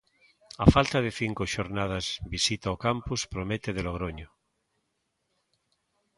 Á falta de cinco xornadas, visita o Campus Promete de Logroño.